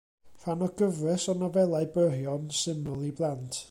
Rhan o gyfres o nofelau byrion, syml i blant.